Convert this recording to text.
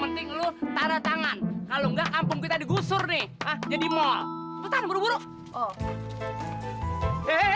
penting lu tarah tangan kalau enggak kampung kita digusur nih jadi malu buruk buru eh eh